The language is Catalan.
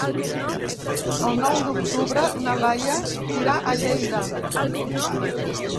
El nou d'octubre na Laia irà a Lleida.